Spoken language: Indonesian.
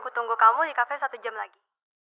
aku tunggu kamu di kafe satu jam lagi